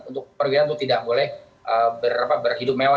untuk perwira untuk tidak boleh berhidup mewah